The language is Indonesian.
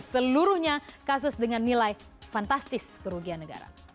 seluruhnya kasus dengan nilai fantastis kerugian negara